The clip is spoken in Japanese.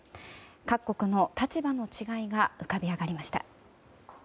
各国の立場の違いが浮かび上がりました。